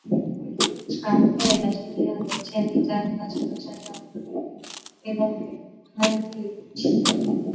常备海军力量的建立在很大程度上要归功于亨利七世。